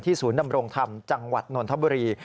ศูนย์ดำรงธรรมจังหวัดนนทบุรี